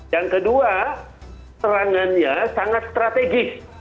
yang kedua serangannya sangat strategis